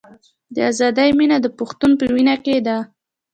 د ازادۍ مینه د پښتون په وینه کې ده.